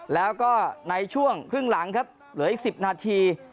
แล้วก็ในช่วงครึ่งหลังครับเหลืออีก๑๐นาที